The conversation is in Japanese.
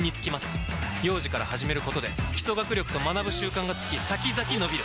幼児から始めることで基礎学力と学ぶ習慣がつき先々のびる！